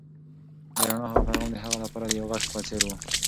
د رڼا هغه پیغام د هغه لپاره د یو غږ په څېر و.